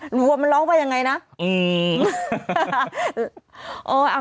หรือวัวมันร้องไปยังไงนะ